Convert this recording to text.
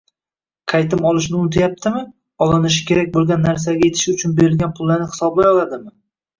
Qaytim olishni unutmayaptimi, olinishi kerak bo‘lgan narsalarga yetishi uchun berilgan pullarni hisoblay oladimi?